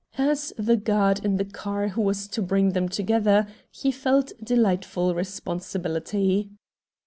As the god in the car who was to bring them together, he felt a delightful responsibility.